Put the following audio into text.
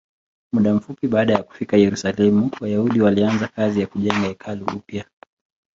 Muda mfupi baada ya kufika Yerusalemu, Wayahudi walianza kazi ya kujenga hekalu upya.